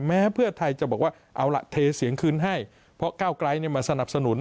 แม้เพื่อไทยจะบอกว่าเอาล่ะเทเสียงคืนให้เพราะก้าวไกลมาสนับสนุน